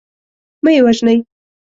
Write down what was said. مه یې وژنی.